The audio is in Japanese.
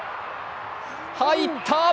入った！